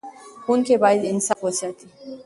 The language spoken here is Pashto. ښوونکي باید انصاف وساتي.